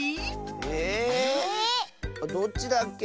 ええっ⁉どっちだっけ？